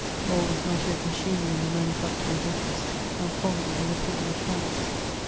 All was not yet machinery in the manufacturmg business, and folly in the pnyi leged ranks.